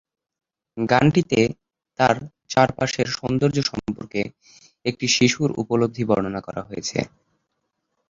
গানটিতে তার চারপাশের সৌন্দর্য্য সম্পর্কে একটি শিশুর উপলব্ধি বর্ণনা করা হয়েছে।